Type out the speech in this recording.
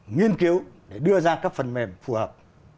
nghiên cứu để đưa ra các phần mềm phù hợp